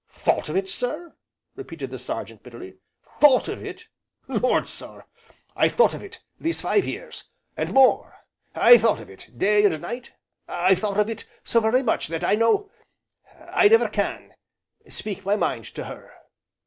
"Thought of it, sir!" repeated the Sergeant, bitterly, "thought of it! Lord, sir! I've thought of it these five years and more. I've thought of it day and night. I've thought of it so very much that I know I never can speak my mind to her.